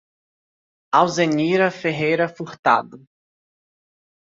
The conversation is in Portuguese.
Alzenira Ferreira Furtado